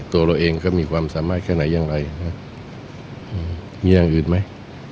ตัวเราเองก็มีความสามารถแค่ไหนอย่างไรมีอย่างอื่นไหม